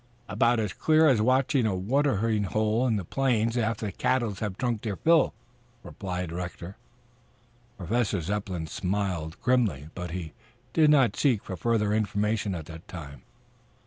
"About as clear as a watering hole on the plains after the cattle have drunk their fill," replied Rector. Professor Zepplin smiled grimly, but he did not seek for further information at that time.